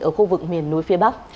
ở khu vực miền núi phía bắc